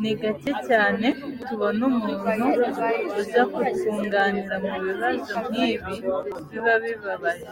Ni gake cyane tubona umuntu uza kutwunganira mu bibazo nk'ibi biba bibabaje.